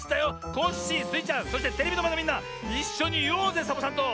コッシースイちゃんそしてテレビのまえのみんないっしょにいおうぜサボさんと。